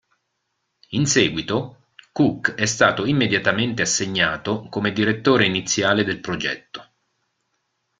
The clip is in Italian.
In seguito, Cook è stato immediatamente assegnato come direttore iniziale del progetto.